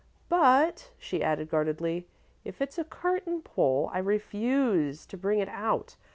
"But," she added guardedly, "if it's a curtain pole, I refuse to bring it out.